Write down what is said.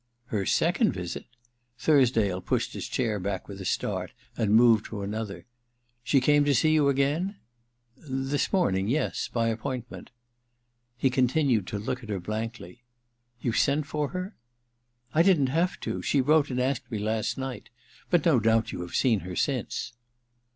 * Her second visit ?' Thursdale pushed his chair back with a start and moved to another. * She came to see you again ?' 272 THE DILETTANTE * This morning, yes — by appointment/ He continued to look at her blankly. * You sent for her ?I didn't have to— she wrote and asked me last night. But no doubt you have seen her since.